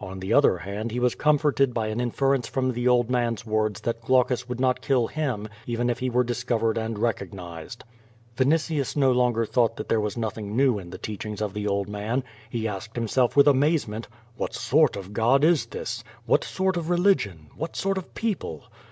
On the other hand he was comforted by an inference from the old man's words that Glaucus would not kill him even if he were dis covered and recognized. Vinitius no longer thought that there was nothing new in the teachings of the old man. He asked himself with amaze ment, "What sort of God is this? What sort of religion, what sort of people